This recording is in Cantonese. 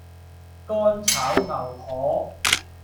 干炒牛河